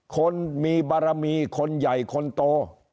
คนมีบารมีคนใหญ่คนโต